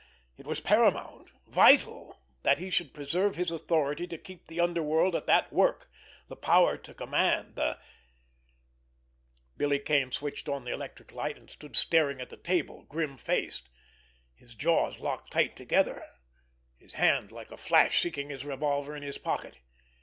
It was paramount, vital, that he should preserve his authority to keep the underworld at that work, the power to command, the—— Billy Kane switched on the electric light, and stood staring at the table, grim faced, his jaws locked tight together, his hand like a flash seeking his revolver in his pocket.